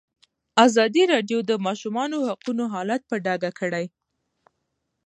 ازادي راډیو د د ماشومانو حقونه حالت په ډاګه کړی.